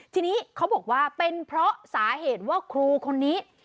ทีนี้เขาบอกว่าเป็นเพราะสาเหตุว่าครูคนนี้